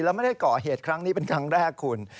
แล้วไม่ได้ก่อเหตุครั้งนี้เป็นครั้งแรกคุณ